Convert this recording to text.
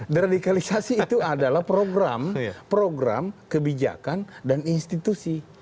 deradikalisasi itu adalah program kebijakan dan institusi